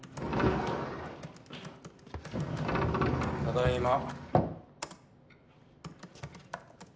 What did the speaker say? ただいま。